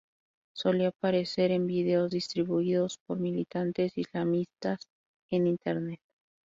Solía aparecer en videos distribuidos por militantes islamistas en Internet.